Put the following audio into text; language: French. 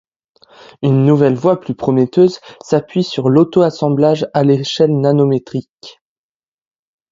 Une nouvelle voie plus prometteuse s'appuie sur l'auto-assemblage à l'échelle nanométrique.